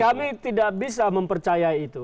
kami tidak bisa mempercayai itu